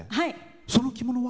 その着物は？